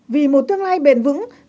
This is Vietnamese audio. vì một tương lai bền vững